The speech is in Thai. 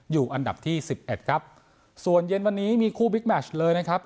อยู่อันดับที่สิบเอ็ดครับส่วนเย็นวันนี้มีคู่บิ๊กแมชเลยนะครับ